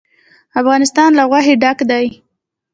افغانستان له غوښې ډک دی.